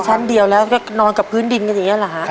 ชั้นเดียวแล้วก็นอนกับพื้นดินกันอย่างนี้เหรอฮะ